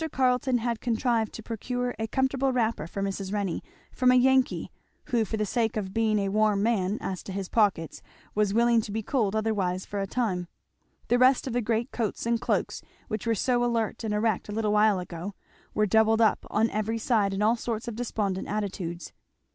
Carleton had contrived to procure a comfortable wrapper for Mrs. Renney from a Yankee who for the sake of being "a warm man" as to his pockets was willing to be cold otherwise for a time. The rest of the great coats and cloaks which were so alert and erect a little while ago were doubled up on every side in all sorts of despondent attitudes.